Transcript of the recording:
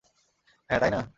হ্যাঁ, তাই না?